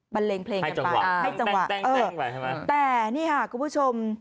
เลงเพลงกันไปให้จังหวะเออแต่นี่ค่ะคุณผู้ชม